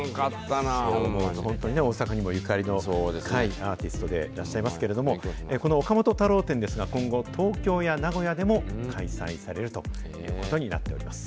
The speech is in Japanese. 本当に大阪にもゆかりのアーティストでいらっしゃいますけれども、この岡本太郎展ですが、今後、東京や名古屋でも開催されるということになっております。